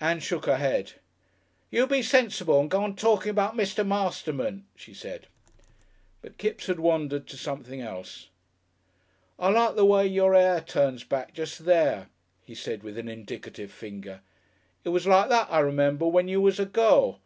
Ann shook her head. "You be sensible and go on talking about Mr. Masterman," she said.... But Kipps had wandered to something else. "I like the way your 'air turns back just there," he said, with an indicative finger. "It was like that, I remember, when you was a girl.